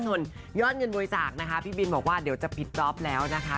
ส่วนยอดเงินบริจาคนะคะพี่บินบอกว่าเดี๋ยวจะปิดจ๊อปแล้วนะคะ